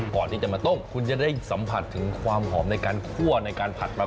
ก่อนที่จะมาต้มคุณจะได้สัมผัสถึงความหอมในการคั่วในการผัดมัน